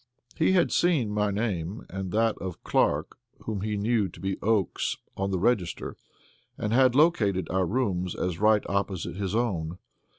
He had seen my name and that of "Clark," whom he knew to be Oakes, on the register, and had located our rooms as right opposite his own.